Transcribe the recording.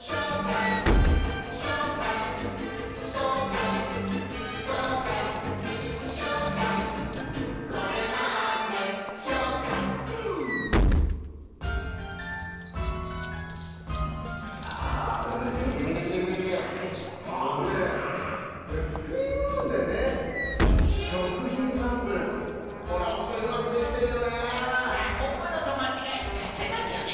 いやほんものとまちがえてかっちゃいますよね。